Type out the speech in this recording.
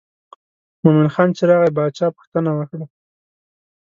مومن خان چې راغی باچا پوښتنه وکړه.